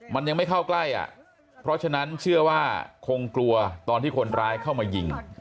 มันยังไม่เข้าใกล้อ่ะเพราะฉะนั้นเชื่อว่าคงกลัวตอนที่คนร้ายเข้ามายิง